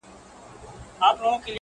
څوك مي دي په زړه باندي لاس نه وهي-